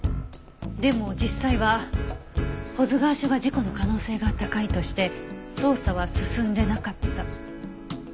でも実際は保津川署が事故の可能性が高いとして捜査は進んでなかった。